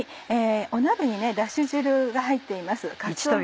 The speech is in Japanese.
鍋にダシ汁が入っています。